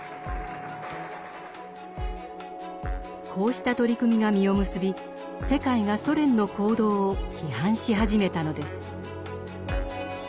こうした取り組みが実を結び世界がソ連の行動を批判し始めたのです。